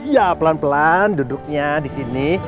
ya pelan pelan duduknya di sini